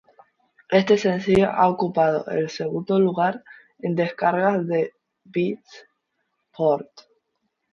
Este sencillo ha ocupado el segundo lugar en descargas de Beatport.